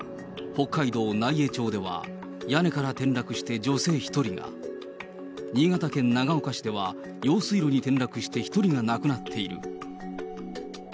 北海道奈井江町では、屋根から転落して女性１人が、新潟県長岡市では、用水路に転落して１人が亡くなっている。